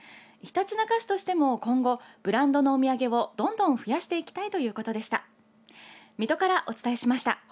ひたちなか市としても今後どんどん増やしていきたいということでした。